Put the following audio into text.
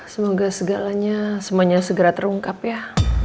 semoga segalanya semuanya segera terungkap ya